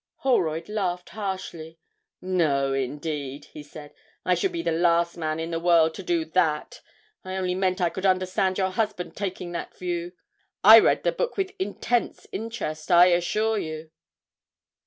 Holroyd laughed harshly. 'No, indeed,' he said, 'I should be the last man in the world to do that. I only meant I could understand your husband taking that view. I read the book with intense interest, I assure you.'